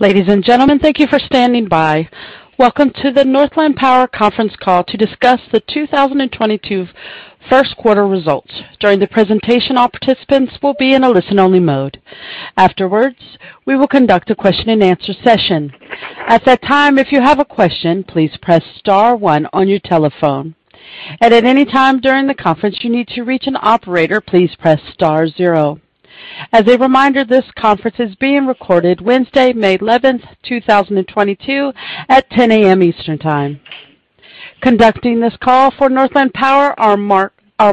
Ladies and gentlemen, thank you for standing by. Welcome to the Northland Power conference call to discuss the 2022 first quarter results. During the presentation, all participants will be in a listen-only mode. Afterwards, we will conduct a question-and-answer session. At that time, if you have a question, please press star one on your telephone. At any time during the conference, you need to reach an operator, please press star zero. As a reminder, this conference is being recorded Wednesday, May 11, 2022, at 10:00 A.M. Eastern Time. Conducting this call for Northland Power are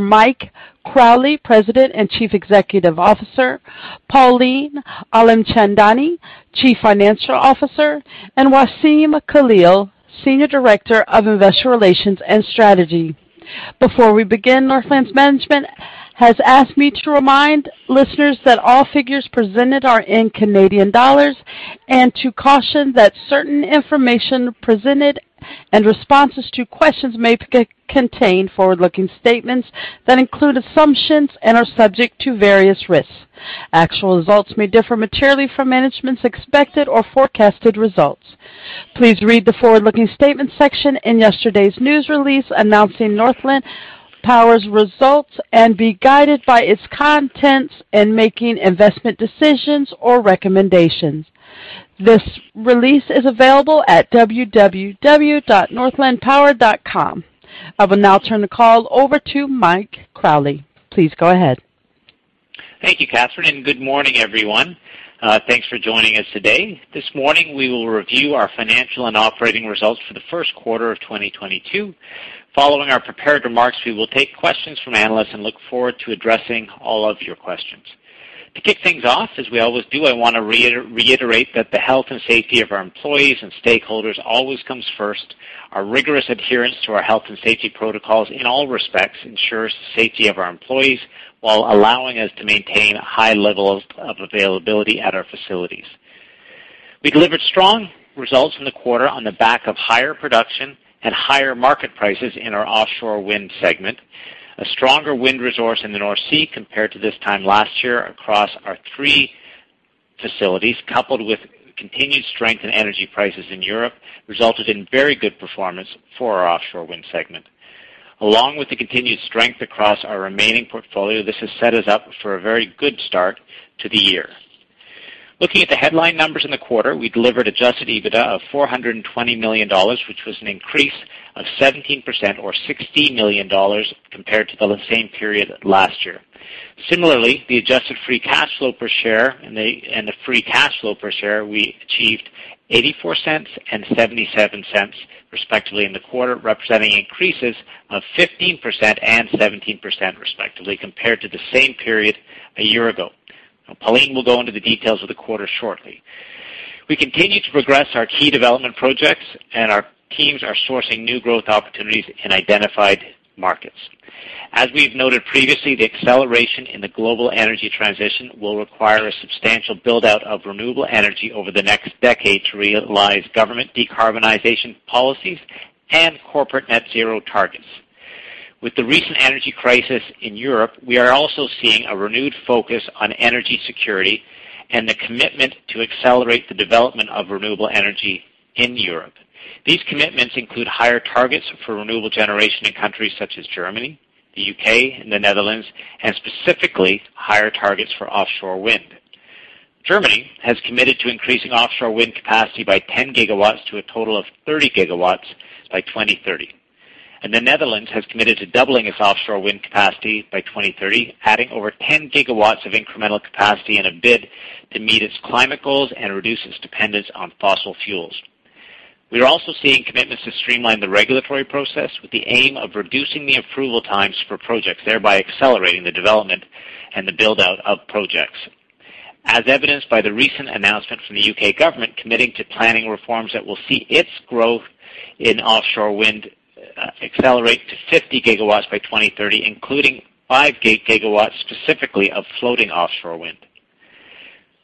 Mike Crawley, President and Chief Executive Officer, Pauline Alimchandani, Chief Financial Officer, and Wassem Khalil, Senior Director of Investor Relations and Strategy. Before we begin, Northland's management has asked me to remind listeners that all figures presented are in Canadian dollars and to caution that certain information presented and responses to questions may contain forward-looking statements that include assumptions and are subject to various risks. Actual results may differ materially from management's expected or forecasted results. Please read the forward-looking statements section in yesterday's news release announcing Northland Power's results and be guided by its contents in making investment decisions or recommendations. This release is available at www.northlandpower.com. I will now turn the call over to Mike Crawley. Please go ahead. Thank you, Catherine, and good morning, everyone. Thanks for joining us today. This morning, we will review our financial and operating results for the first quarter of 2022. Following our prepared remarks, we will take questions from analysts and look forward to addressing all of your questions. To kick things off, as we always do, I want to reiterate that the health and safety of our employees and stakeholders always comes first. Our rigorous adherence to our health and safety protocols in all respects ensures the safety of our employees while allowing us to maintain high levels of availability at our facilities. We delivered strong results in the quarter on the back of higher production and higher market prices in our offshore wind segment. A stronger wind resource in the North Sea compared to this time last year across our three facilities, coupled with continued strength in energy prices in Europe, resulted in very good performance for our offshore wind segment. Along with the continued strength across our remaining portfolio, this has set us up for a very good start to the year. Looking at the headline numbers in the quarter, we delivered adjusted EBITDA of 420 million dollars, which was an increase of 17% or 60 million dollars compared to the same period last year. Similarly, the adjusted free cash flow per share and the free cash flow per share, we achieved 0.84 and 0.77, respectively, in the quarter, representing increases of 15% and 17%, respectively, compared to the same period a year ago. Pauline will go into the details of the quarter shortly. We continue to progress our key development projects, and our teams are sourcing new growth opportunities in identified markets. As we've noted previously, the acceleration in the global energy transition will require a substantial build-out of renewable energy over the next decade to realize government decarbonization policies and corporate net zero targets. With the recent energy crisis in Europe, we are also seeing a renewed focus on energy security and the commitment to accelerate the development of renewable energy in Europe. These commitments include higher targets for renewable generation in countries such as Germany, the U.K., and the Netherlands, and specifically higher targets for offshore wind. Germany has committed to increasing offshore wind capacity by 10 GW to a total of 30 GW by 2030. The Netherlands has committed to doubling its offshore wind capacity by 2030, adding over 10 GW of incremental capacity in a bid to meet its climate goals and reduce its dependence on fossil fuels. We are also seeing commitments to streamline the regulatory process with the aim of reducing the approval times for projects, thereby accelerating the development and the build-out of projects. As evidenced by the recent announcement from the U.K. government committing to planning reforms that will see its growth in offshore wind accelerate to 50 GW by 2030, including 5 GW specifically of floating offshore wind.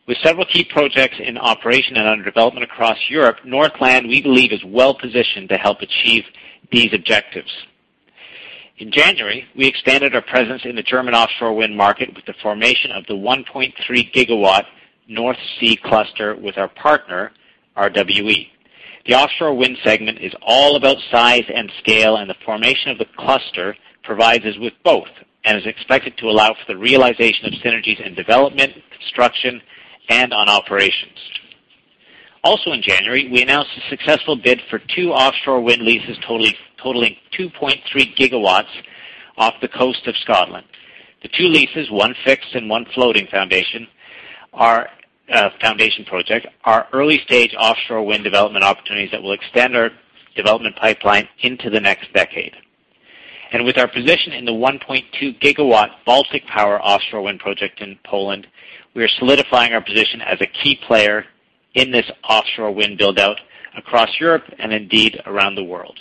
With several key projects in operation and under development across Europe, Northland, we believe, is well-positioned to help achieve these objectives. In January, we expanded our presence in the German offshore wind market with the formation of the 1.3 GW North Sea Cluster with our partner, RWE. The offshore wind segment is all about size and scale, and the formation of the Cluster provides us with both and is expected to allow for the realization of synergies in development, construction, and in operations. In January, we announced a successful bid for two offshore wind leases totaling 2.3 GW off the coast of Scotland. The two leases, one fixed and one floating foundation, are foundation projects, are early-stage offshore wind development opportunities that will extend our development pipeline into the next decade. With our position in the 1.2 GW Baltic Power offshore wind project in Poland, we are solidifying our position as a key player in this offshore wind build-out across Europe and indeed around the world.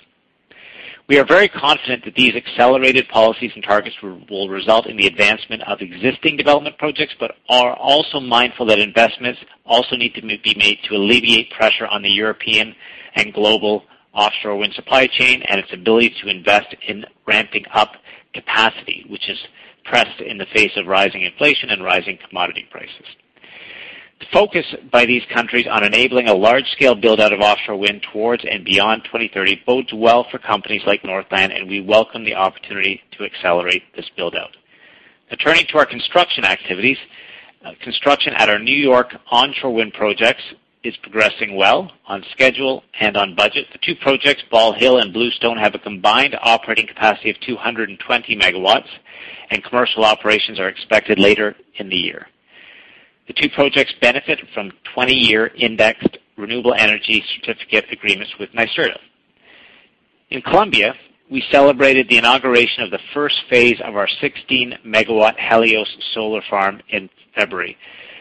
We are very confident that these accelerated policies and targets will result in the advancement of existing development projects, but are also mindful that investments also need to be made to alleviate pressure on the European and global offshore wind supply chain and its ability to invest in ramping up capacity, which is pressed in the face of rising inflation and rising commodity prices. The focus by these countries on enabling a large-scale build-out of offshore wind towards and beyond 2030 bodes well for companies like Northland, and we welcome the opportunity to accelerate this build-out. Now turning to our construction activities. Construction at our New York onshore wind projects is progressing well, on schedule and on budget. The two projects, Ball Hill and Bluestone, have a combined operating capacity of 220 MW, and commercial operations are expected later in the year. The two projects benefit from 20-year indexed renewable energy certificate agreements with NYSERDA. In Colombia, we celebrated the inauguration of the first phase of our 16 MW Helios solar farm in February.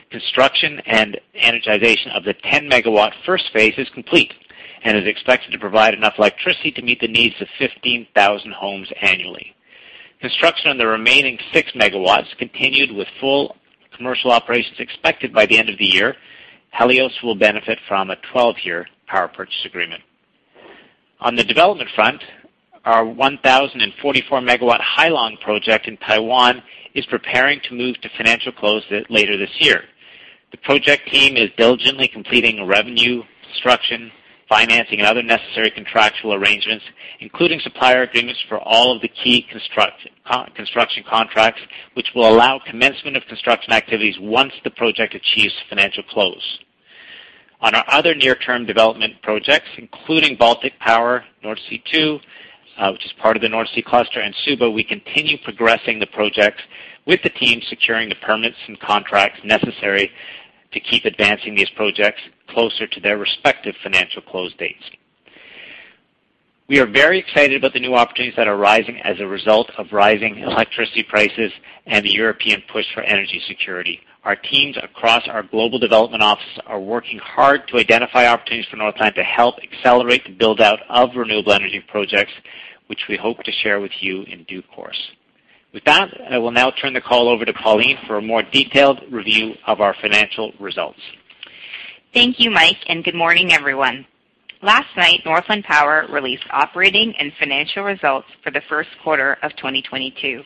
Construction and energization of the 10 MW first phase is complete and is expected to provide enough electricity to meet the needs of 15,000 homes annually. Construction on the remaining 6 MW continued with full commercial operations expected by the end of the year. Helios will benefit from a 12-year power purchase agreement. On the development front, our 1,044 MW Hai Long project in Taiwan is preparing to move to financial close later this year. The project team is diligently completing revenue, construction, financing, and other necessary contractual arrangements, including supplier agreements for all of the key construction contracts, which will allow commencement of construction activities once the project achieves financial close. On our other near-term development projects, including Baltic Power, Nordsee Two, which is part of the North Sea Cluster, and Suwa, we continue progressing the projects, with the team securing the permits and contracts necessary to keep advancing these projects closer to their respective financial close dates. We are very excited about the new opportunities that are rising as a result of rising electricity prices and the European push for energy security. Our teams across our global development offices are working hard to identify opportunities for Northland to help accelerate the build-out of renewable energy projects, which we hope to share with you in due course. With that, I will now turn the call over to Pauline for a more detailed review of our financial results. Thank you, Mike, and good morning, everyone. Last night, Northland Power released operating and financial results for the first quarter of 2022.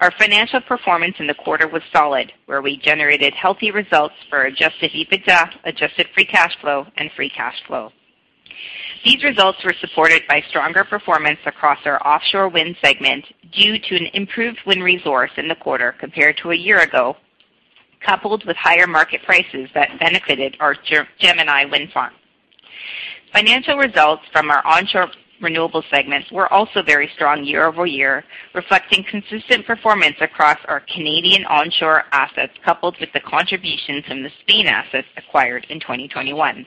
Our financial performance in the quarter was solid, where we generated healthy results for adjusted EBITDA, adjusted free cash flow, and free cash flow. These results were supported by stronger performance across our offshore wind segment due to an improved wind resource in the quarter compared to a year ago, coupled with higher market prices that benefited our Gemini wind farm. Financial results from our onshore renewables segments were also very strong year-over-year, reflecting consistent performance across our Canadian onshore assets, coupled with the contributions from the Spanish assets acquired in 2021.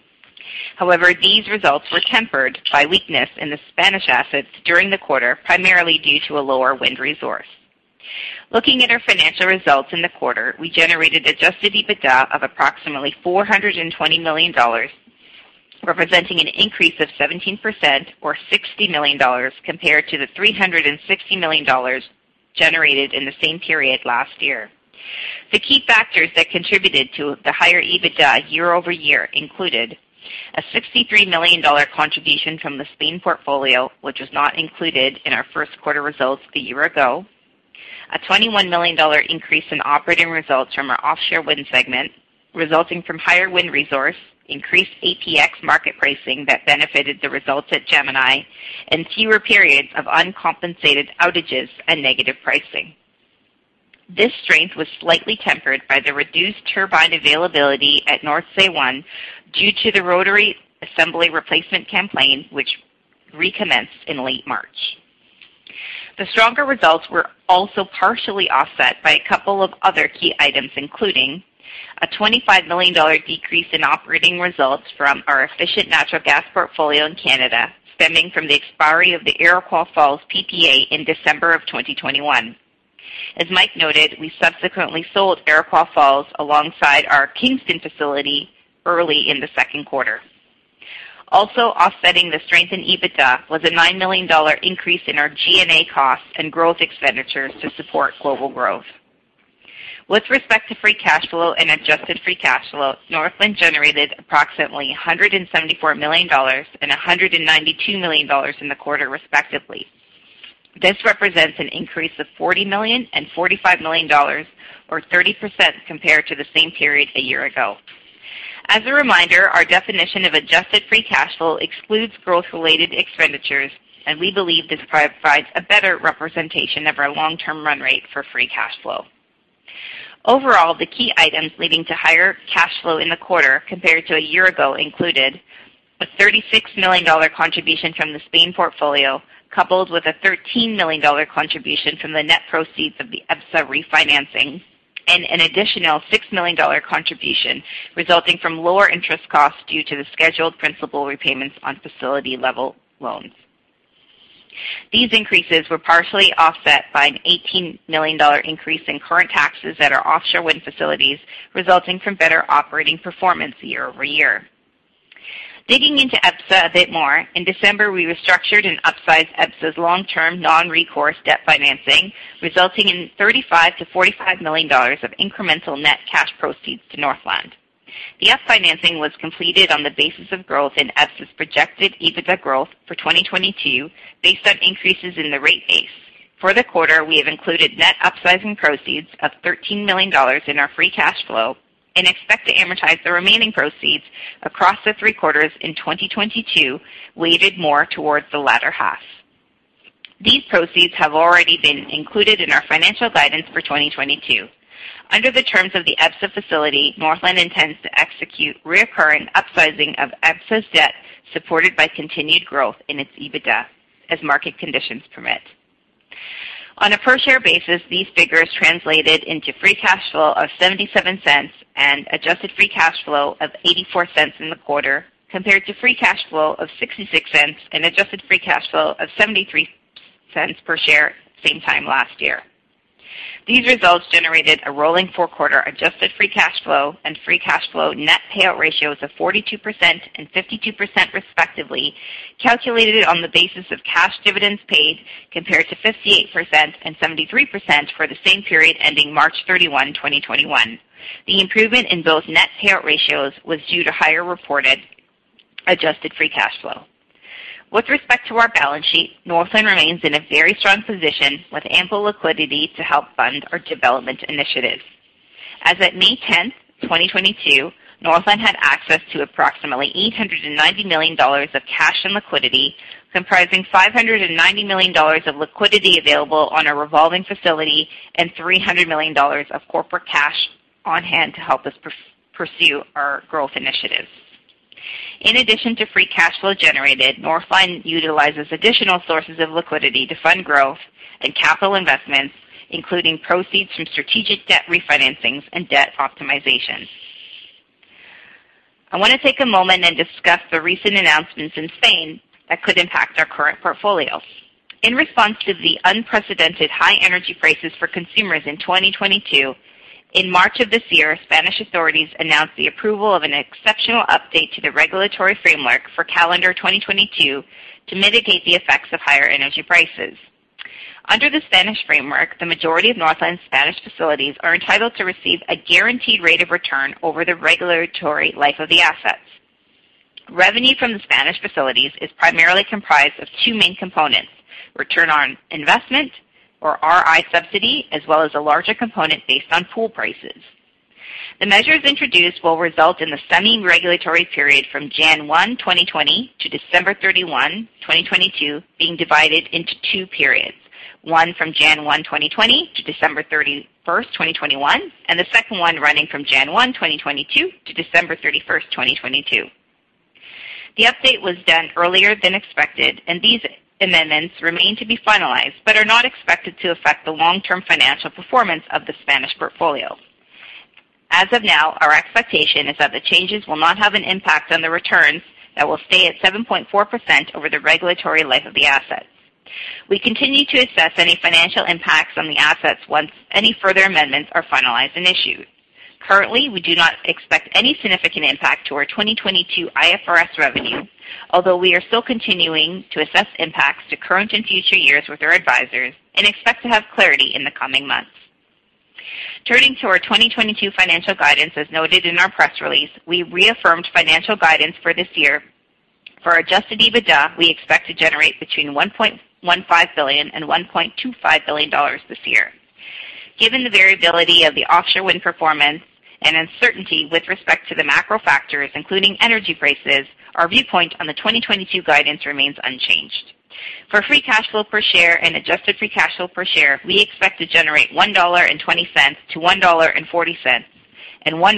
However, these results were tempered by weakness in the Spanish assets during the quarter, primarily due to a lower wind resource. Looking at our financial results in the quarter, we generated adjusted EBITDA of approximately 420 million dollars, representing an increase of 17% or 60 million dollars compared to the 360 million dollars generated in the same period last year. The key factors that contributed to the higher EBITDA year-over-year included a 63 million dollar contribution from the Spain portfolio, which was not included in our first quarter results a year ago, a 21 million dollar increase in operating results from our offshore wind segment, resulting from higher wind resource, increased APX market pricing that benefited the results at Gemini, and fewer periods of uncompensated outages and negative pricing. This strength was slightly tempered by the reduced turbine availability at Nordsee One due to the rotor assembly replacement campaign, which recommenced in late March. The stronger results were also partially offset by a couple of other key items, including a 25 million dollar decrease in operating results from our efficient natural gas portfolio in Canada, stemming from the expiry of the Iroquois Falls PPA in December of 2021. As Mike noted, we subsequently sold Iroquois Falls alongside our Kingston facility early in the second quarter. Also offsetting the strength in EBITDA was a 9 million dollar increase in our G&A costs and growth expenditures to support global growth. With respect to free cash flow and adjusted free cash flow, Northland generated approximately 174 million dollars and 192 million dollars in the quarter, respectively. This represents an increase of 40 million and 45 million dollars or 30% compared to the same period a year ago. As a reminder, our definition of adjusted free cash flow excludes growth-related expenditures, and we believe this provides a better representation of our long-term run rate for free cash flow. Overall, the key items leading to higher cash flow in the quarter compared to a year ago included a 36 million dollar contribution from the Spain portfolio, coupled with a 13 million dollar contribution from the net proceeds of the EBSA refinancing, and an additional 6 million dollar contribution resulting from lower interest costs due to the scheduled principal repayments on facility-level loans. These increases were partially offset by a 18 million dollar increase in current taxes at our offshore wind facilities, resulting from better operating performance year-over-year. Digging into EBSA a bit more, in December, we restructured and upsized EBSA's long-term non-recourse debt financing, resulting in $35 million-$45 million of incremental net cash proceeds to Northland. The upsized financing was completed on the basis of growth in EBSA's projected EBITDA growth for 2022 based on increases in the rate base. For the quarter, we have included net upsizing proceeds of $13 million in our free cash flow and expect to amortize the remaining proceeds across the three quarters in 2022, weighted more towards the latter half. These proceeds have already been included in our financial guidance for 2022. Under the terms of the EBSA facility, Northland intends to execute recurring upsizing of EBSA's debt, supported by continued growth in its EBITDA as market conditions permit. On a per-share basis, these figures translated into free cash flow of 0.77 and adjusted free cash flow of 0.84 in the quarter, compared to free cash flow of 0.66 and adjusted free cash flow of 0.73 per share same time last year. These results generated a rolling four-quarter adjusted free cash flow and free cash flow net payout ratios of 42% and 52% respectively, calculated on the basis of cash dividends paid compared to 58% and 73% for the same period ending March 31, 2021. The improvement in both net payout ratios was due to higher reported adjusted free cash flow. With respect to our balance sheet, Northland remains in a very strong position with ample liquidity to help fund our development initiatives. As at May tenth, 2022, Northland had access to approximately 890 million dollars of cash and liquidity, comprising 590 million dollars of liquidity available on a revolving facility and 300 million dollars of corporate cash on hand to help us pursue our growth initiatives. In addition to free cash flow generated, Northland utilizes additional sources of liquidity to fund growth and capital investments, including proceeds from strategic debt refinancings and debt optimization. I want to take a moment and discuss the recent announcements in Spain that could impact our current portfolio. In response to the unprecedented high energy prices for consumers in 2022, in March of this year, Spanish authorities announced the approval of an exceptional update to the regulatory framework for calendar 2022 to mitigate the effects of higher energy prices. Under the Spanish framework, the majority of Northland's Spanish facilities are entitled to receive a guaranteed rate of return over the regulatory life of the assets. Revenue from the Spanish facilities is primarily comprised of two main components, Return on Investment or RI subsidy, as well as a larger component based on pool prices. The measures introduced will result in the semi-regulatory period from January 1, 2020 to December 31, 2022 being divided into two periods. One from January 1, 2020 to December 31, 2021, and the second one running from January 1, 2022 to December 31, 2022. The update was done earlier than expected, and these amendments remain to be finalized, but are not expected to affect the long-term financial performance of the Spanish portfolio. As of now, our expectation is that the changes will not have an impact on the returns that will stay at 7.4% over the regulatory life of the assets. We continue to assess any financial impacts on the assets once any further amendments are finalized and issued. Currently, we do not expect any significant impact to our 2022 IFRS revenue, although we are still continuing to assess impacts to current and future years with our advisors and expect to have clarity in the coming months. Turning to our 2022 financial guidance, as noted in our press release, we reaffirmed financial guidance for this year. For adjusted EBITDA, we expect to generate between 1.15 billion and 1.25 billion dollars this year. Given the variability of the offshore wind performance and uncertainty with respect to the macro factors, including energy prices, our viewpoint on the 2022 guidance remains unchanged. For free cash flow per share and adjusted free cash flow per share, we expect to generate 1.20-1.40 dollar, and 1.65-1.80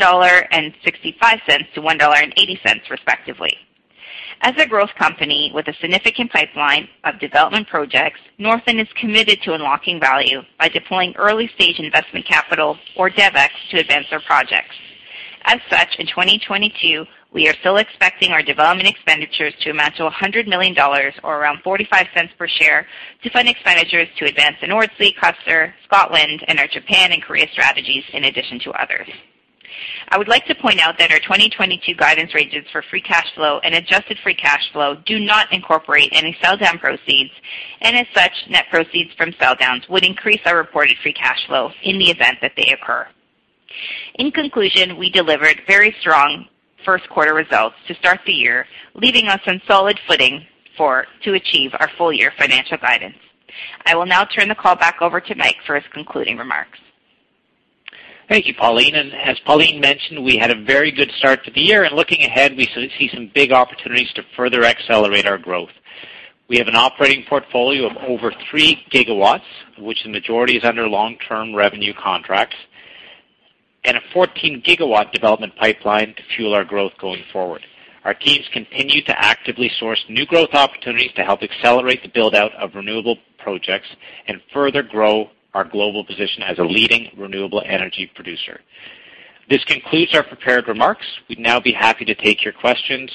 dollar, respectively. As a growth company with a significant pipeline of development projects, Northland is committed to unlocking value by deploying early-stage investment capital or DevEx to advance our projects. As such, in 2022, we are still expecting our development expenditures to amount to 100 million dollars or around 0.45 per share to fund expenditures to advance the North Sea, Cluster, Scotland, and our Japan and Korea strategies, in addition to others. I would like to point out that our 2022 guidance ranges for free cash flow and adjusted free cash flow do not incorporate any sell down proceeds, and as such, net proceeds from sell downs would increase our reported free cash flow in the event that they occur. In conclusion, we delivered very strong first quarter results to start the year, leaving us on solid footing to achieve our full-year financial guidance. I will now turn the call back over to Mike for his concluding remarks. Thank you, Pauline. As Pauline mentioned, we had a very good start to the year, and looking ahead, we see some big opportunities to further accelerate our growth. We have an operating portfolio of over 3 gigawatts, which the majority is under long-term revenue contracts, and a 14-gigawatt development pipeline to fuel our growth going forward. Our teams continue to actively source new growth opportunities to help accelerate the build-out of renewable projects and further grow our global position as a leading renewable energy producer. This concludes our prepared remarks. We'd now be happy to take your questions.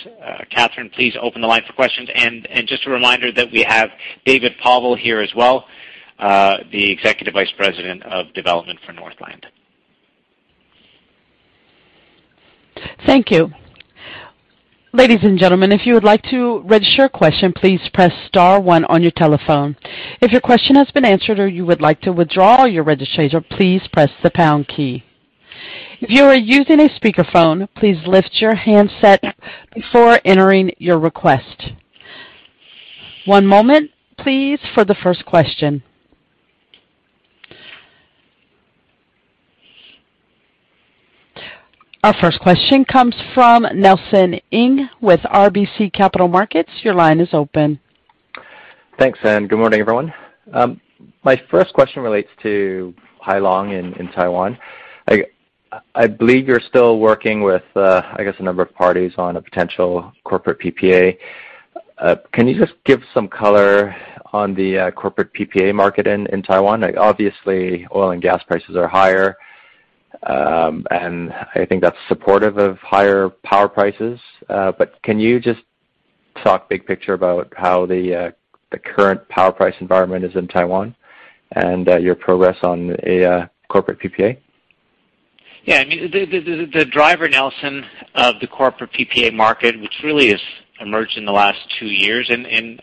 Catherine, please open the line for questions. Just a reminder that we have David Povall here as well, the Executive Vice President of Development for Northland. Thank you. Ladies and gentlemen, if you would like to register a question, please press star one on your telephone. If your question has been answered or you would like to withdraw your registration, please press the pound key. If you are using a speakerphone, please lift your handset before entering your request. One moment please for the first question. Our first question comes from Nelson Ng with RBC Capital Markets. Your line is open. Thanks, and good morning, everyone. My first question relates to Hai Long in Taiwan. I believe you're still working with, I guess, a number of parties on a potential corporate PPA. Can you just give some color on the corporate PPA market in Taiwan? Obviously, oil and gas prices are higher, and I think that's supportive of higher power prices. Can you just talk big picture about how the current power price environment is in Taiwan and your progress on a corporate PPA? Yeah. I mean, the driver, Nelson, of the corporate PPA market, which really has emerged in the last two years in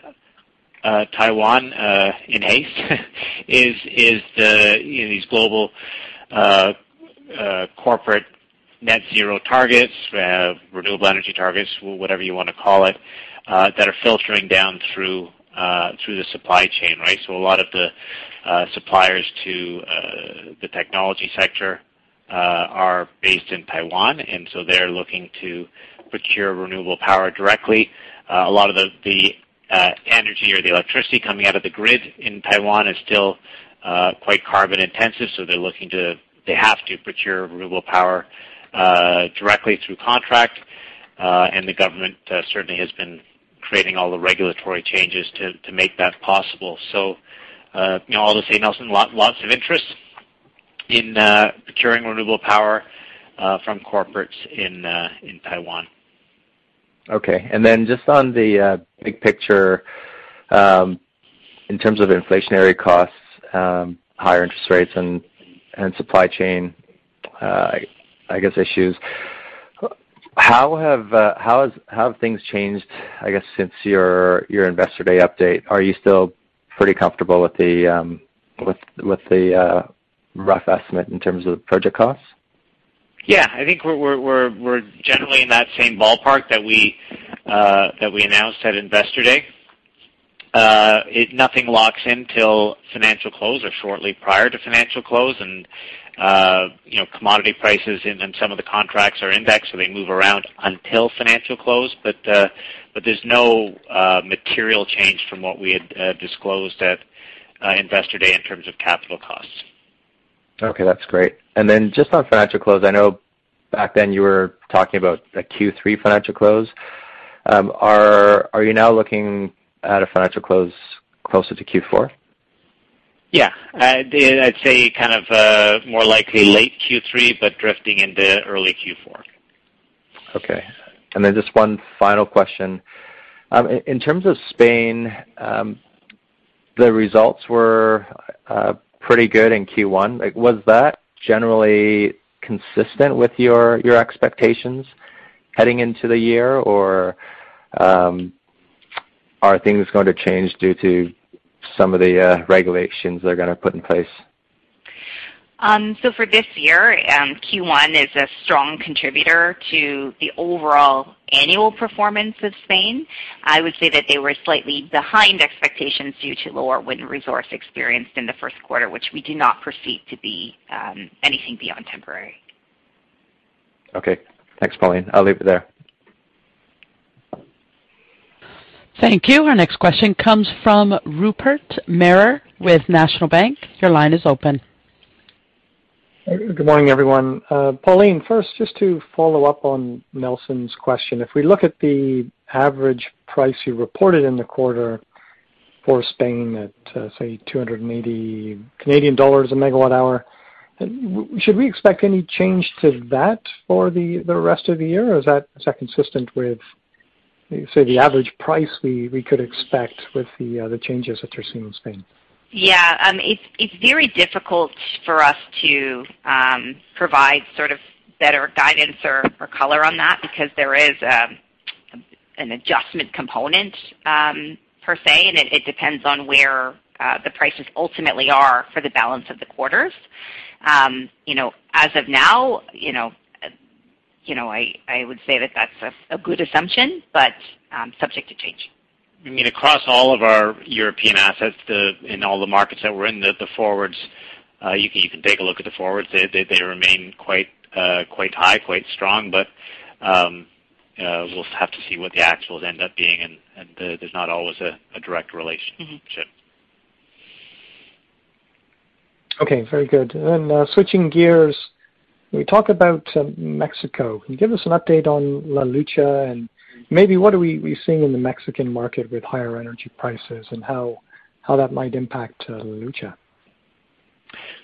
Taiwan in Asia, is the, you know, these global corporate net zero targets, renewable energy targets, whatever you wanna call it, that are filtering down through the supply chain, right? A lot of the suppliers to the technology sector are based in Taiwan, and so they're looking to procure renewable power directly. A lot of the energy or the electricity coming out of the grid in Taiwan is still quite carbon intensive, so they have to procure renewable power directly through contract. The government certainly has been creating all the regulatory changes to make that possible. You know, all to say, Nelson, lots of interest in procuring renewable power from corporates in Taiwan. Okay. Then just on the big picture, in terms of inflationary costs, higher interest rates and supply chain issues, how have things changed, I guess, since your Investor Day update? Are you still pretty comfortable with the rough estimate in terms of project costs? Yeah. I think we're generally in that same ballpark that we announced at Investor Day. Nothing locks in till financial close or shortly prior to financial close. You know, commodity prices in some of the contracts are indexed, so they move around until financial close. There's no material change from what we had disclosed at Investor Day in terms of capital costs. Okay, that's great. Just on financial close, I know back then you were talking about a Q3 financial close. Are you now looking at a financial close closer to Q4? Yeah. I'd say kind of more likely late Q3, but drifting into early Q4. Okay. Just one final question. In terms of Spain, the results were pretty good in Q1. Like, was that generally consistent with your expectations heading into the year? Are things going to change due to some of the regulations they're gonna put in place? For this year, Q1 is a strong contributor to the overall annual performance of Spain. I would say that they were slightly behind expectations due to lower wind resource experienced in the first quarter, which we do not foresee to be anything beyond temporary. Okay. Thanks, Pauline. I'll leave it there. Thank you. Our next question comes from Rupert Merer with National Bank. Your line is open. Good morning, everyone. Pauline, first, just to follow up on Nelson's question. If we look at the average price you reported in the quarter for Spain at, say, 280 Canadian dollars a megawatt hour, should we expect any change to that for the rest of the year? Or is that consistent with, say, the average price we could expect with the changes that you're seeing in Spain? Yeah. It's very difficult for us to provide sort of better guidance or color on that because there is an adjustment component per se, and it depends on where the prices ultimately are for the balance of the quarters. You know, as of now, you know, I would say that that's a good assumption, but subject to change. I mean, across all of our European assets, in all the markets that we're in, the forwards. You can take a look at the forwards. They remain quite strong. You know, we'll have to see what the actuals end up being. There's not always a direct relationship. Mm-hmm. Okay. Very good. Switching gears, can we talk about Mexico? Can you give us an update on La Lucha? Maybe what are we seeing in the Mexican market with higher energy prices and how that might impact La Lucha?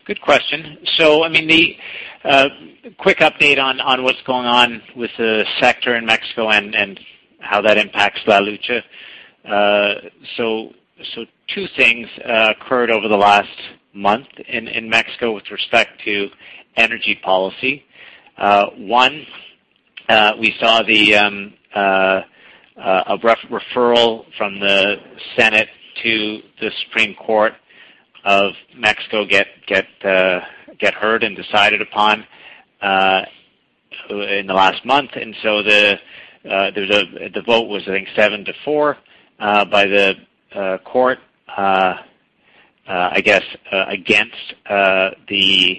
Good question. I mean, the quick update on what's going on with the sector in Mexico and how that impacts La Lucha. Two things occurred over the last month in Mexico with respect to energy policy. One, we saw a referral from the Senate to the Supreme Court of Mexico get heard and decided upon in the last month. The vote was, I think, 7-4 by the court, I guess, against the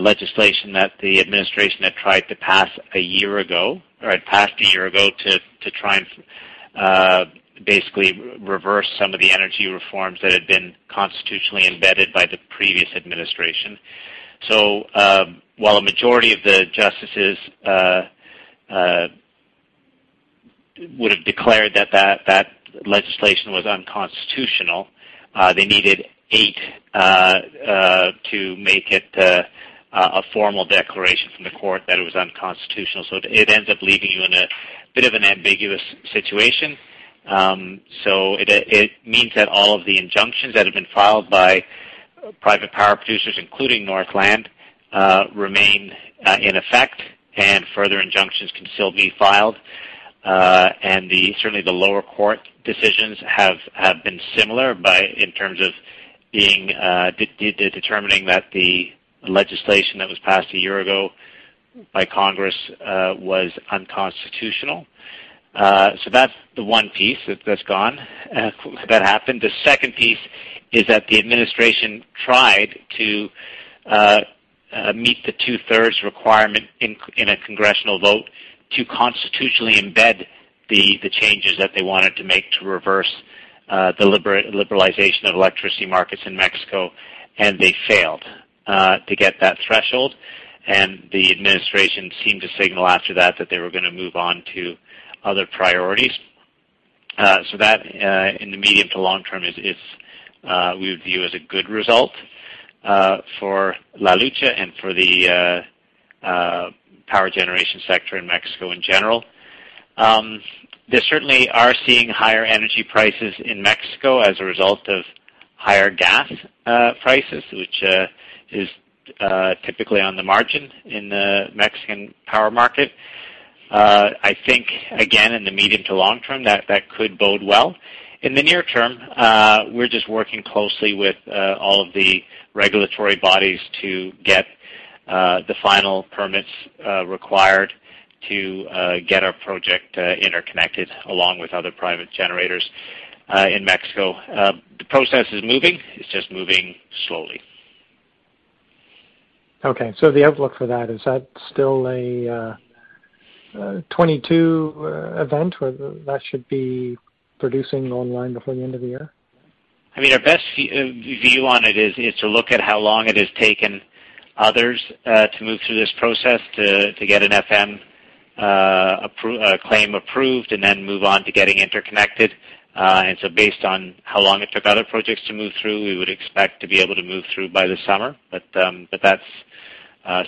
legislation that the administration had tried to pass a year ago, or had passed a year ago to try and basically reverse some of the energy reforms that had been constitutionally embedded by the previous administration. While a majority of the justices would have declared that legislation was unconstitutional, they needed eight to make it a formal declaration from the court that it was unconstitutional. It ends up leaving you in a bit of an ambiguous situation. It means that all of the injunctions that have been filed by private power producers, including Northland, remain in effect, and further injunctions can still be filed. Certainly, the lower court decisions have been similar in terms of determining that the legislation that was passed a year ago by Congress was unconstitutional. That's the one piece that's gone that happened. The second piece is that the administration tried to meet the two-thirds requirement in a congressional vote to constitutionally embed the changes that they wanted to make to reverse the liberalization of electricity markets in Mexico, and they failed to get that threshold. The administration seemed to signal after that they were gonna move on to other priorities. In the medium to long term, we would view that as a good result for La Lucha and for the power generation sector in Mexico in general. They certainly are seeing higher energy prices in Mexico as a result of higher gas prices, which is typically on the margin in the Mexican power market. I think, again, in the medium to long term, that could bode well. In the near term, we're just working closely with all of the regulatory bodies to get the final permits required to get our project interconnected along with other private generators in Mexico. The process is moving. It's just moving slowly. Okay. The outlook for that, is that still a 2022 event where that should be producing online before the end of the year? I mean, our best view on it is to look at how long it has taken others to move through this process to get an amparo approved and then move on to getting interconnected. Based on how long it took other projects to move through, we would expect to be able to move through by the summer. That's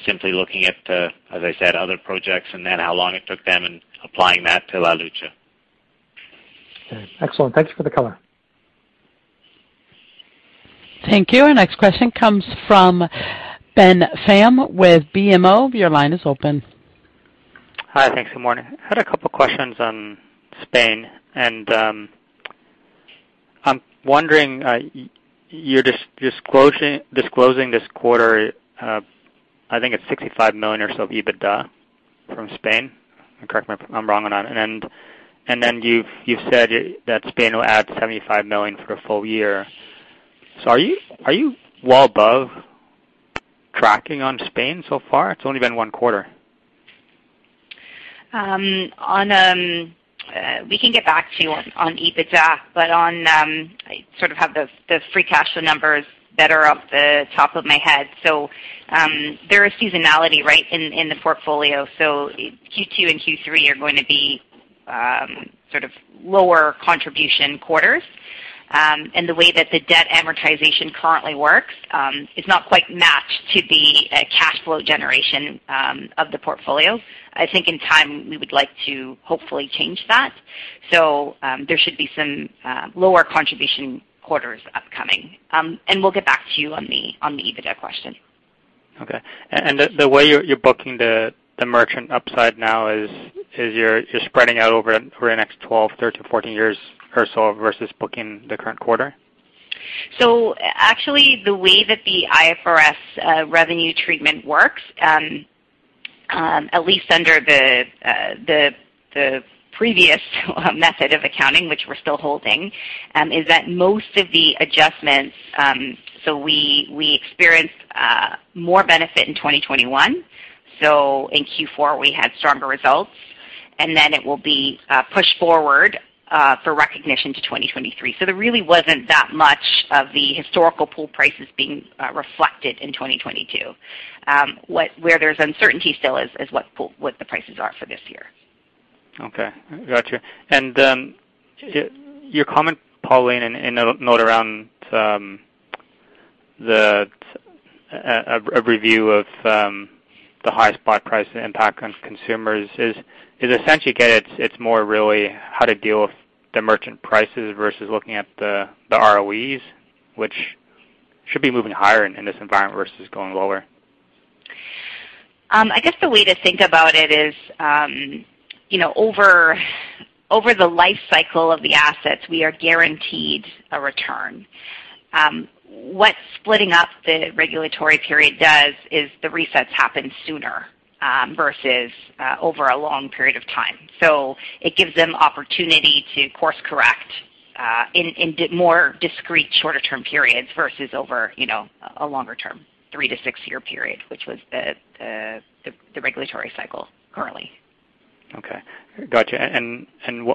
simply looking at, as I said, other projects and then how long it took them and applying that to La Lucha. Okay. Excellent. Thanks for the color. Thank you. Our next question comes from Ben Pham with BMO. Your line is open. Hi. Thanks. Good morning. I had a couple of questions on Spain. I'm wondering, you're disclosing this quarter, I think it's 65 million or so of EBITDA from Spain. Correct me if I'm wrong on that. You've said that Spain will add 75 million for a full year. Are you well above tracking on Spain so far? It's only been one quarter. We can get back to you on EBITDA, but I sort of have the free cash flow numbers that are off the top of my head. There is seasonality right in the portfolio. Q2 and Q3 are going to be sort of lower contribution quarters. The way that the debt amortization currently works is not quite matched to the cash flow generation of the portfolio. I think in time, we would like to hopefully change that. There should be some lower contribution quarters upcoming. We'll get back to you on the EBITDA question. Okay. The way you're booking the merchant upside now is you're spreading out over the next 12, 13, 14 years or so versus booking the current quarter? Actually the way that the IFRS revenue treatment works, at least under the previous method of accounting, which we're still holding, is that most of the adjustments, we experience more benefit in 2021. In Q4, we had stronger results, and then it will be pushed forward for recognition to 2023. There really wasn't that much of the historical pool prices being reflected in 2022. Where there's uncertainty still is what the pool prices are for this year. Okay. Got you. Your comment, Pauline, in a note around a review of the high spot price impact on consumers is essentially, again, it's more really how to deal with the merchant prices versus looking at the ROEs, which should be moving higher in this environment versus going lower. I guess the way to think about it is, you know, over the life cycle of the assets, we are guaranteed a return. What splitting up the regulatory period does is the resets happen sooner, versus over a long period of time. It gives them opportunity to course correct in more discrete shorter term periods versus over, you know, a longer term, 3-6-year period, which was the regulatory cycle currently. Okay. Gotcha.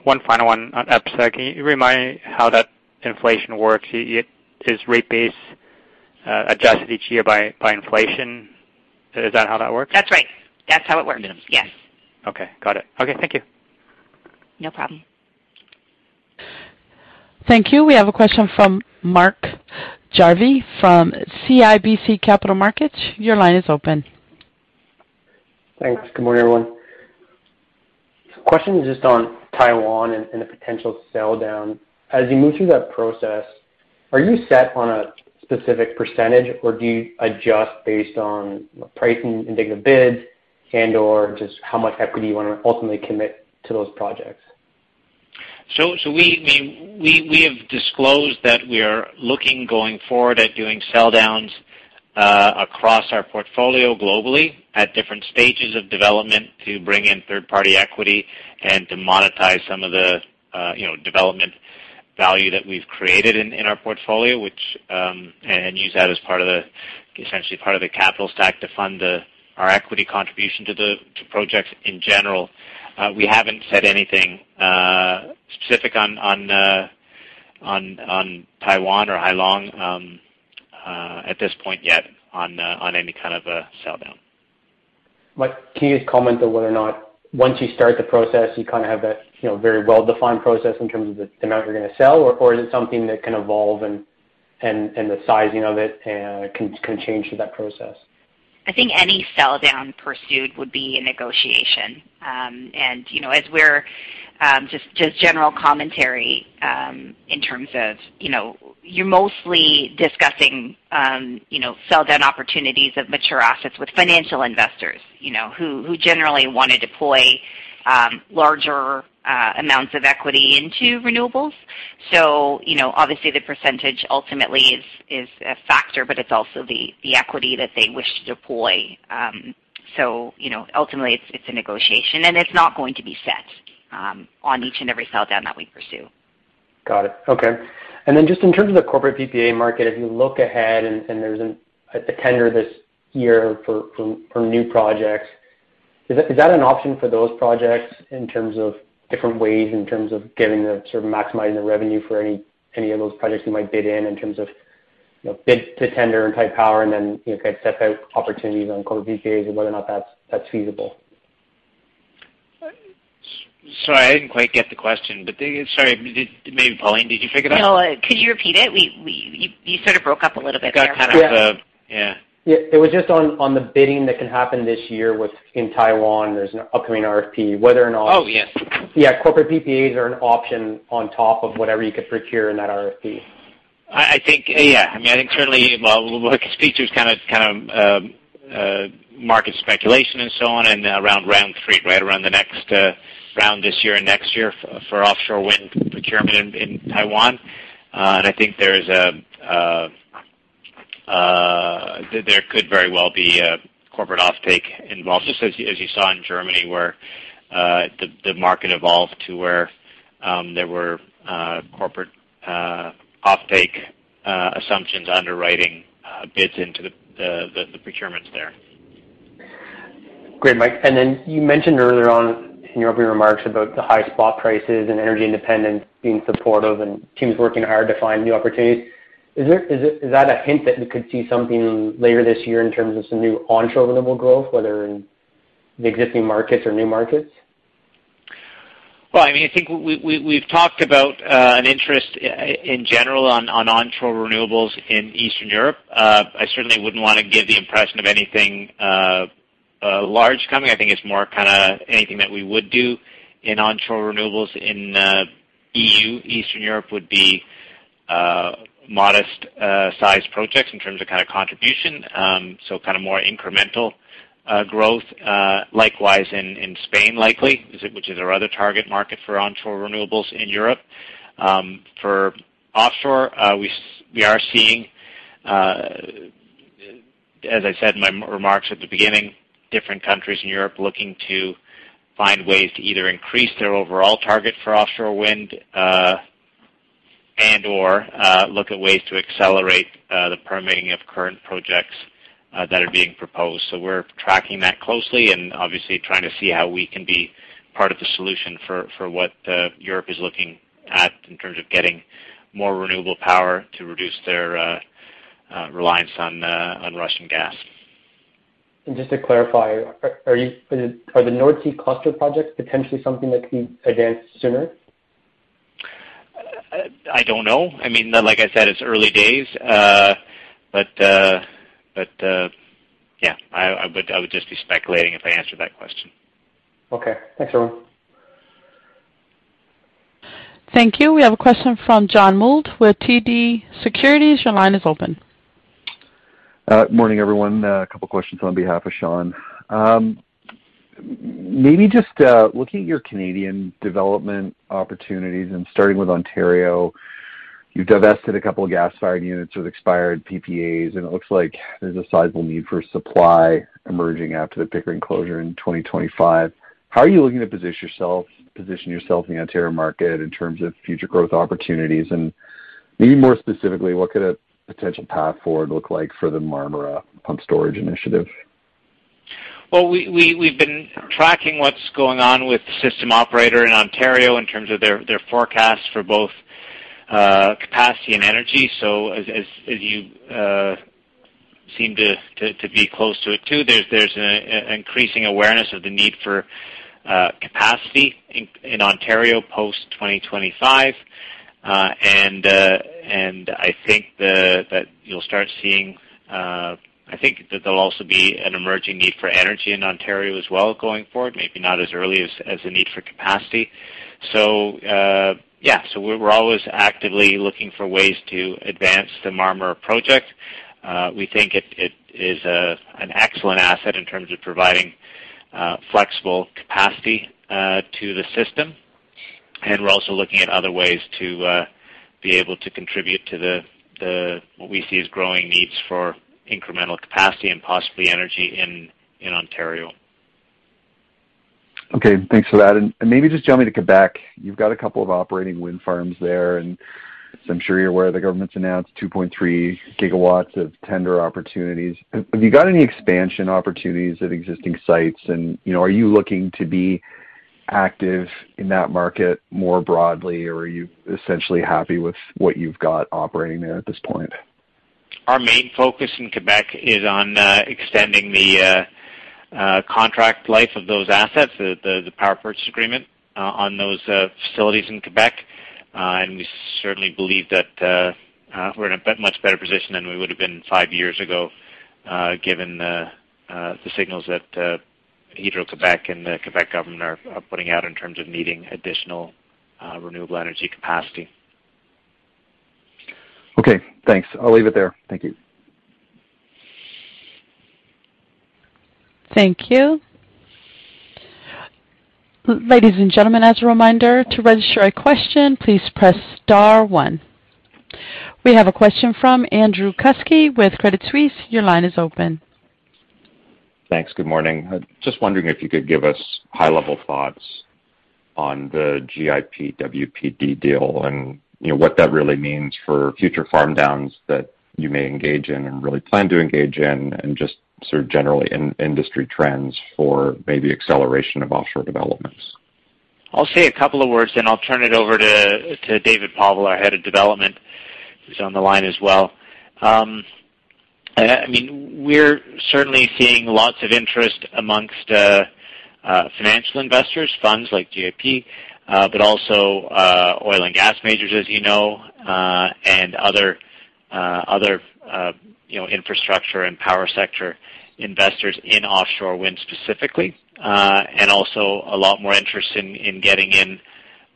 One final one on EBSA. Can you remind me how that inflation works? It is rate base adjusted each year by inflation? Is that how that works? That's right. That's how it works. Yes. Okay. Got it. Okay, thank you. No problem. Thank you. We have a question from Mark Jarvi from CIBC Capital Markets. Your line is open. Thanks. Good morning, everyone. Question just on Taiwan and the potential sell down. As you move through that process, are you set on a specific percentage, or do you adjust based on pricing and taking the bids and/or just how much equity you wanna ultimately commit to those projects? I mean, we have disclosed that we are looking going forward at doing sell downs across our portfolio globally at different stages of development to bring in third-party equity and to monetize some of the, you know, development value that we've created in our portfolio, which, and use that as part of the, essentially, part of the capital stack to fund our equity contribution to projects in general. We haven't said anything specific on Taiwan or Hai Long at this point yet on any kind of a sell down. Mike, can you just comment on whether or not once you start the process, you kinda have that, you know, very well-defined process in terms of the amount you're gonna sell? Or is it something that can evolve and the sizing of it can change through that process? I think any sell down pursuit would be a negotiation. You know, as we're just general commentary, in terms of, you know, you're mostly discussing, you know, sell down opportunities of mature assets with financial investors, you know, who generally want to deploy larger amounts of equity into renewables. You know, obviously the percentage ultimately is a factor, but it's also the equity that they wish to deploy. You know, ultimately it's a negotiation, and it's not going to be set on each and every sell down that we pursue. Got it. Okay. Just in terms of the corporate PPA market, if you look ahead and there's a tender this year for new projects, is that an option for those projects in terms of different ways in terms of getting sort of maximizing the revenue for any of those projects you might bid in terms of, you know, bid to tender and type power and then, you know, kind of set out opportunities on corporate PPAs and whether or not that's feasible? Sorry, I didn't quite get the question. Sorry. Maybe Pauline, did you pick it up? No. Could you repeat it? You sort of broke up a little bit there, Mike. Yeah. Yeah. It was just on the bidding that can happen this year within Taiwan. There's an upcoming RFP. Whether or not. Oh, yes. Yeah, corporate PPAs are an option on top of whatever you could procure in that RFP. I think, yeah. I mean, I think certainly, well, look, this features kind of market speculation and so on and around round three, right around the next round this year and next year for offshore wind procurement in Taiwan. I think there could very well be a corporate offtake involved, just as you saw in Germany, where the market evolved to where there were corporate offtake assumptions underwriting bids into the procurements there. Great, Mike. You mentioned earlier on in your opening remarks about the high spot prices and energy independence being supportive and teams working hard to find new opportunities. Is that a hint that we could see something later this year in terms of some new onshore renewable growth, whether in the existing markets or new markets? Well, I mean, I think we've talked about an interest in general on onshore renewables in Eastern Europe. I certainly wouldn't want to give the impression of anything large coming. I think it's more kinda anything that we would do in onshore renewables in EU Eastern Europe would be modest sized projects in terms of kinda contribution. Kinda more incremental growth. Likewise in Spain, likely, is it which is our other target market for onshore renewables in Europe. For offshore, we are seeing, as I said in my remarks at the beginning, different countries in Europe looking to find ways to either increase their overall target for offshore wind and/or look at ways to accelerate the permitting of current projects that are being proposed. We're tracking that closely and obviously trying to see how we can be part of the solution for what Europe is looking at in terms of getting more renewable power to reduce their reliance on Russian gas. Just to clarify, are the North Sea Cluster projects potentially something that could be advanced sooner? I don't know. I mean, like I said, it's early days. Yeah, I would just be speculating if I answered that question. Okay. Thanks, everyone. Thank you. We have a question from John Mould with TD Securities. Your line is open. Morning, everyone. A couple questions on behalf of Sean. Maybe just looking at your Canadian development opportunities and starting with Ontario, you divested a couple of gas-fired units with expired PPAs, and it looks like there's a sizable need for supply emerging after the Pickering closure in 2025. How are you looking to position yourself in the Ontario market in terms of future growth opportunities? Maybe more specifically, what could a potential path forward look like for the Marmora pumped storage initiative? Well, we've been tracking what's going on with the system operator in Ontario in terms of their forecast for both capacity and energy. As you seem to be close to it too, there's an increasing awareness of the need for capacity in Ontario post 2025. I think that you'll start seeing, I think that there'll also be an emerging need for energy in Ontario as well going forward, maybe not as early as the need for capacity. Yeah. We're always actively looking for ways to advance the Marmora project. We think it is an excellent asset in terms of providing flexible capacity to the system. We're also looking at other ways to be able to contribute to the what we see as growing needs for incremental capacity and possibly energy in Ontario. Okay. Thanks for that. Maybe just jumping to Québec, you've got a couple of operating wind farms there, and as I'm sure you're aware, the government's announced 2.3 GW of tender opportunities. Have you got any expansion opportunities at existing sites? You know, are you looking to be active in that market more broadly, or are you essentially happy with what you've got operating there at this point? Our main focus in Québec is on extending the contract life of those assets, the power purchase agreement on those facilities in Québec. We certainly believe that we're in a much better position than we would've been five years ago, given the signals that Hydro-Québec and the Québec government are putting out in terms of needing additional renewable energy capacity. Okay. Thanks. I'll leave it there. Thank you. Thank you. Ladies and gentlemen, as a reminder, to register a question, please press star one. We have a question from Andrew Kuske with Credit Suisse. Your line is open. Thanks. Good morning. Just wondering if you could give us high-level thoughts on the GIP-wpd deal and, you know, what that really means for future farm downs that you may engage in and really plan to engage in and just sort of generally in industry trends for maybe acceleration of offshore developments? I'll say a couple of words, then I'll turn it over to David Povall, our head of development, who's on the line as well. I mean, we're certainly seeing lots of interest among financial investors, funds like GIP, but also oil and gas majors, as you know, and other, you know, infrastructure and power sector investors in offshore wind specifically. Also a lot more interest in getting in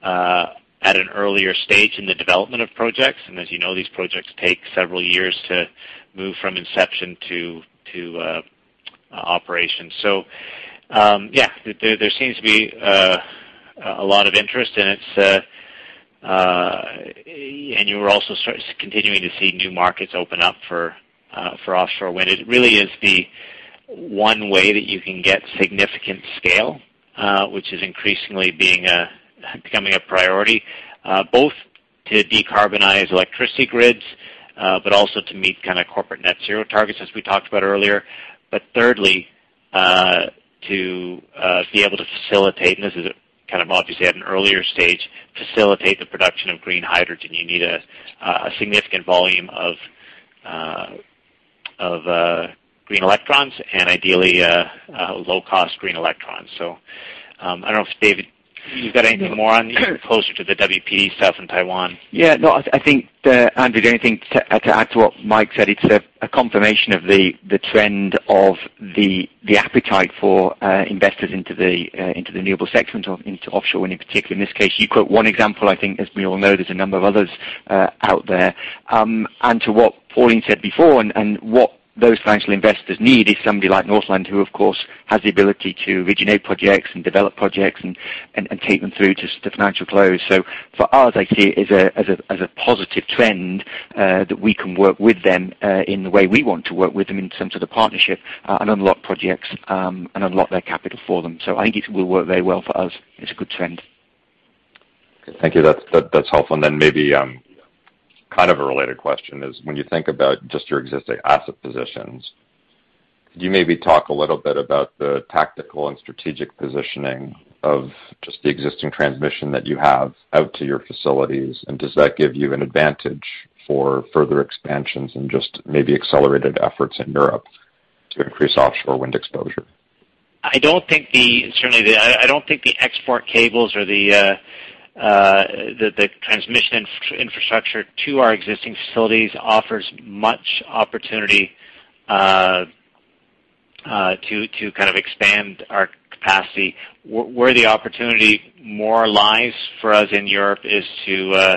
at an earlier stage in the development of projects. As you know, these projects take several years to move from inception to operation. Yeah, there seems to be a lot of interest, and we're also continuing to see new markets open up for offshore wind. It really is the one way that you can get significant scale, which is increasingly becoming a priority, both to decarbonize electricity grids, but also to meet kind of corporate net zero targets, as we talked about earlier. Thirdly, to be able to facilitate, and this is kind of obviously at an earlier stage, facilitate the production of green hydrogen. You need a significant volume of green electrons and ideally low-cost green electrons. I don't know if David, you've got anything more. You're closer to the wpd stuff in Taiwan. Yeah. No, I think, Andrew, the only thing to add to what Mike said, it's a confirmation of the trend of the appetite for investors into the renewable sector, into offshore wind in particular. In this case, you quote one example. I think as we all know, there's a number of others out there. To what Pauline said before, and what those financial investors need is somebody like Northland, who of course has the ability to originate projects and develop projects and take them through to financial close. For us, I see it as a positive trend that we can work with them in the way we want to work with them in terms of the partnership and unlock projects and unlock their capital for them. I think it will work very well for us. It's a good trend. Okay. Thank you. That's helpful. Then maybe, kind of a related question is, when you think about just your existing asset positions, could you maybe talk a little bit about the tactical and strategic positioning of just the existing transmission that you have out to your facilities, and does that give you an advantage for further expansions and just maybe accelerated efforts in Europe to increase offshore wind exposure? I don't think the export cables or the transmission infrastructure to our existing facilities offers much opportunity to kind of expand our capacity. Where the opportunity more lies for us in Europe is to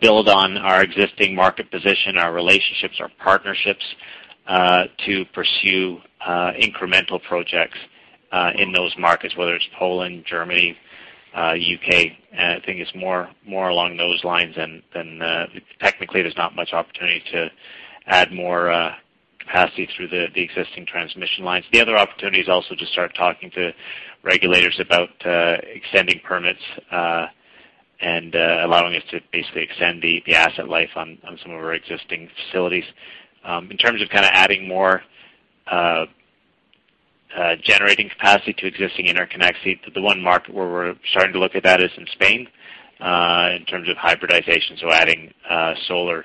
build on our existing market position, our relationships, our partnerships to pursue incremental projects in those markets, whether it's Poland, Germany, U.K. I think it's more along those lines than technically there's not much opportunity to add more capacity through the existing transmission lines. The other opportunity is also to start talking to regulators about extending permits and allowing us to basically extend the asset life on some of our existing facilities. In terms of kinda adding more generating capacity to existing interconnection, the one market where we're starting to look at that is in Spain, in terms of hybridization, so adding solar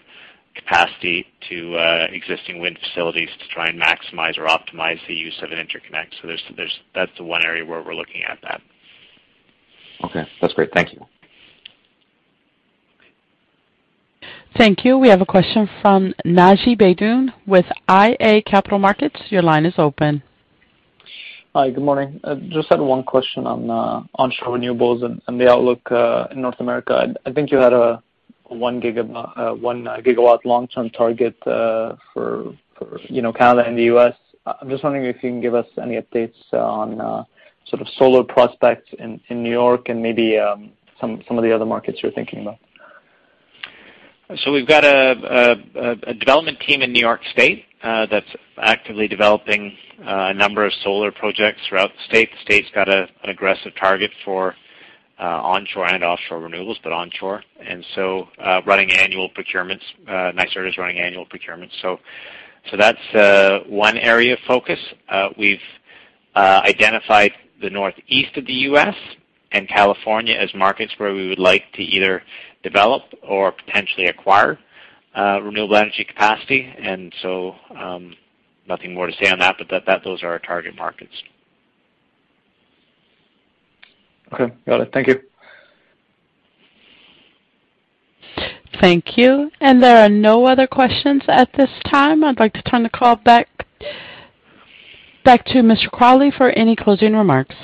capacity to existing wind facilities to try and maximize or optimize the use of an interconnect. That's the one area where we're looking at that. Okay, that's great. Thank you. Thank you. We have a question from Naji Baydoun with iA Capital Markets. Your line is open. Hi. Good morning. I just had one question on onshore renewables and the outlook in North America. I think you had a one gigawatt long-term target for you know Canada and the US. I'm just wondering if you can give us any updates on sort of solar prospects in New York and maybe some of the other markets you're thinking about. We've got a development team in New York State that's actively developing a number of solar projects throughout the state. The state's got an aggressive target for onshore and offshore renewables, but onshore. running annual procurements. NYSERDA is running annual procurements. That's one area of focus. We've identified the Northeast of the U.S. and California as markets where we would like to either develop or potentially acquire renewable energy capacity. Nothing more to say on that, but those are our target markets. Okay. Got it. Thank you. Thank you. There are no other questions at this time. I'd like to turn the call back to Mike Crawley for any closing remarks.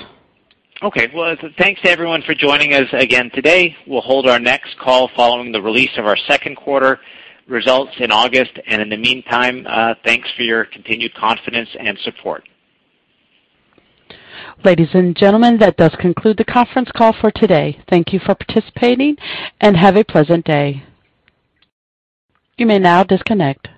Okay. Well, thanks to everyone for joining us again today. We'll hold our next call following the release of our second quarter results in August. In the meantime, thanks for your continued confidence and support. Ladies and gentlemen, that does conclude the conference call for today. Thank you for participating, and have a pleasant day. You may now disconnect.